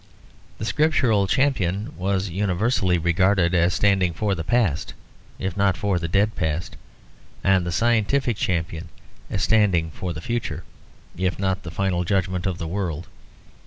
The scriptural champion was universally regarded as standing for the past, if not for the dead past; and the scientific champion as standing for the future, if not the final judgment of the world.